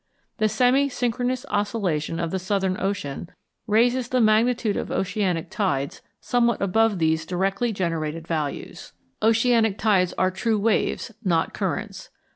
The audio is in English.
The semi synchronous oscillation of the Southern Ocean raises the magnitude of oceanic tides somewhat above these directly generated values. Oceanic tides are true waves, not currents.